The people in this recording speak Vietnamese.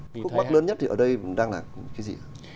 cái vướng mắt lớn nhất thì ở đây đang là cái gì